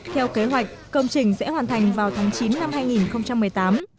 theo kế hoạch công trình sẽ hoàn thành vào tháng chín năm hai nghìn một mươi tám